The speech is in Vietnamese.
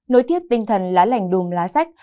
nối tiếp tinh thần lá lành đùm lá sách